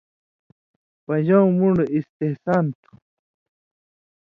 پَن٘ژؤں مُون٘ڈ اِستحسان تُھو